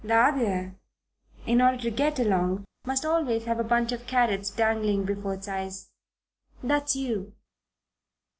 The other, in order to get along, must always have a bunch of carrots dangling before its eyes. That's you."